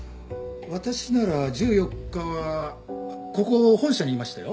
私なら１４日はここ本社にいましたよ。